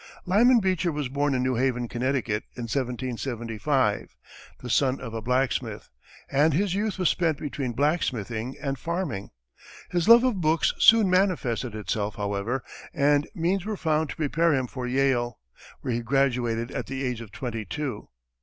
Lyman Beecher was born in New Haven, Connecticut, in 1775, the son of a blacksmith, and his youth was spent between blacksmithing and farming. His love of books soon manifested itself, however, and means were found to prepare him for Yale, where he graduated at the age of twenty two.